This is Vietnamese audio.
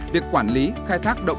việc quản lý khai thác động thiết